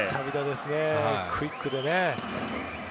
クイックでね。